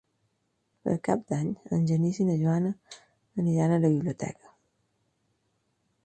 Per Cap d'Any en Genís i na Joana aniran a la biblioteca.